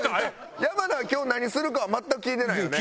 山名は今日何するかは全く聞いてないよね？